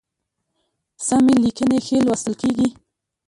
سمي لیکنی ښی لوستل کیږي